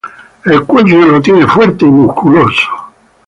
El cuello lo tiene fuerte y musculoso.